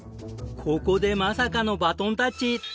ここでまさかのバトンタッチ。